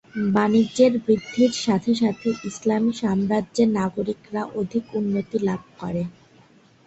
বাণিজ্যের বৃদ্ধির সাথে সাথে ইসলামি সাম্রাজ্যের নাগরিকরা অধিক উন্নতি লাভ করে।